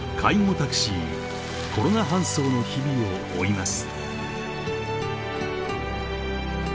タクシーコロナ搬送の日々を追います